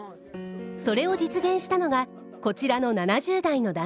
それを実現したのがこちらの７０代の男性。